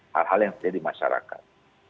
hal hal yang terjadi di masyarakat